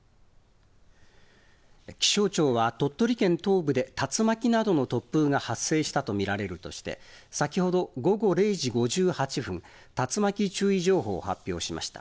気象庁は、鳥取県東部で竜巻などの突風が発生したと見られるとして、先ほど午後０時５８分、竜巻注意情報を発表しました。